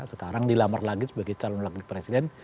sekarang dilamar lagi sebagai calon wakil presiden